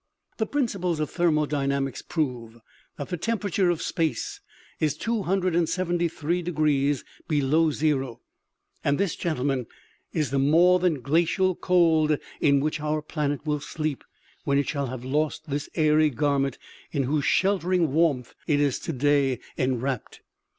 " The principles of thermodynamics prove that the temperature of space is 273 below zero. And this, gentle t02 OMEGA PRIMARY VEGETATION AT THE NORTH POLE. men, is the more than glacial cold in which our planet will sleep when it shall have lost this airy garment in whose sheltering warmth it is today enwrapped.